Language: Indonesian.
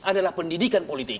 adalah pendidikan politik